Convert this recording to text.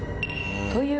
という